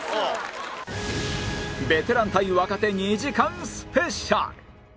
ベテラン対若手２時間スペシャル